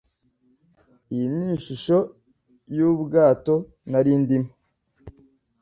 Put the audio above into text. Iyi ni ishusho yubwato nari ndimo.